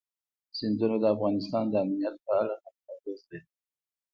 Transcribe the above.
سیندونه د افغانستان د امنیت په اړه هم اغېز لري.